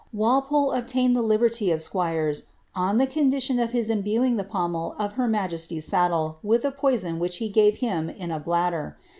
Walpole obtained the liberty of Squires on the condition of his imbuing the pommel of her majesty's saddle with a poison which he gave him in a bladder.